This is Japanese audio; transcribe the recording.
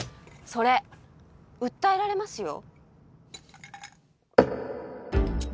それ訴えられますよ？